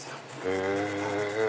へぇ。